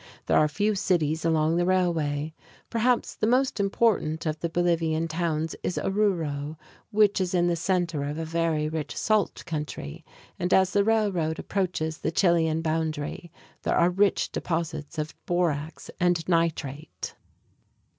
There are few cities along the railway. Perhaps the most important of the Bolivian towns is Oruro, which is in the center of a very rich salt country, and as the railroad approaches the Chilean boundary there are rich deposits of borax and nitrate.